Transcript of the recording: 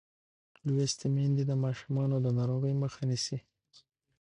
لوستې میندې د ماشومانو د ناروغۍ مخه نیسي.